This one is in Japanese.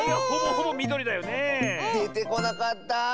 でてこなかった。